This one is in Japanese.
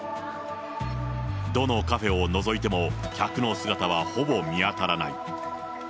どのカフェをのぞいても、客の姿はほぼ見当たらない。